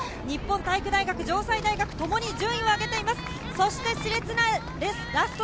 日本体育大学、城西大学、ともに順位を上げています。